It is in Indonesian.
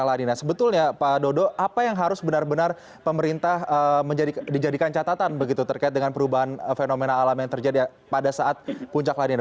apa yang harus benar benar pemerintah dijadikan catatan terkait dengan perubahan fenomena alam yang terjadi pada saat puncak ladina